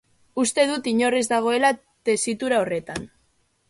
Uste dut inor ez dagoela tesitura horretan.